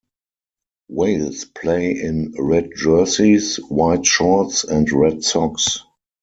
Wales play in red jerseys, white shorts and red socks.